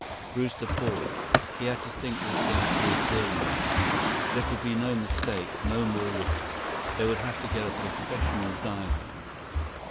Brewster paused. He had to think this thing through clearly now. There could be no mistakes, no more risks. They would have to get a professional diver.